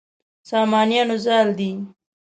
سامانیانو زال دی.